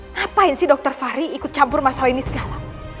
ngapain sih dokter fahri ikut campur masalah ini segala